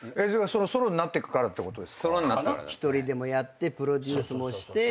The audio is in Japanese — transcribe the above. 一人でもやってプロデュースもして。